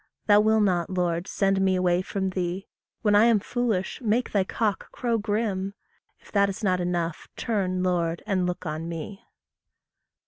Thou will not, Lord, send me away from thee. When I am foolish, make thy cock crow grim; If that is not enough, turn, Lord, and look on me.